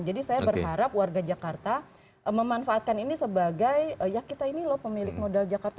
jadi saya berharap warga jakarta memanfaatkan ini sebagai ya kita ini loh pemilik modal jakarta